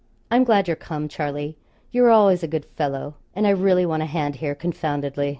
'I'm glad you're come, Charlie; you were always a good fellow, and I really want a hand here confoundedly.